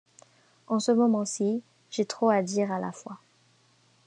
En ce moment-ci, j’ai trop à dire à la fois.